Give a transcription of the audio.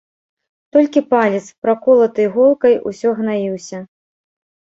Толькі палец, праколаты іголкай, усё гнаіўся.